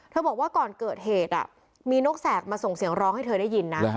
บอกว่าก่อนเกิดเหตุมีนกแสกมาส่งเสียงร้องให้เธอได้ยินนะ